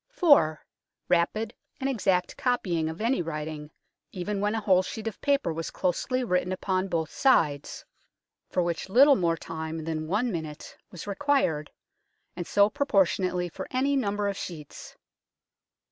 4. Rapid and exact copying of any writing, even when a whole sheet of paper was closely o 210 UNKNOWN LONDON written upon both sides, for which little more time than one minute was required, and so pro portionately for any number of sheets.